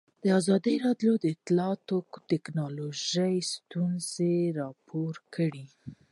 ازادي راډیو د اطلاعاتی تکنالوژي ستونزې راپور کړي.